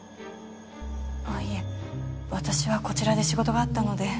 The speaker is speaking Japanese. いえ私はこちらで仕事があったので。